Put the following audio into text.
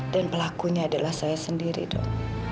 dan pelakunya adalah saya sendiri dok